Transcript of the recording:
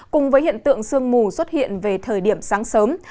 cùng với hiện tượng sương mù xuất hiện về thời điểm sáng sớm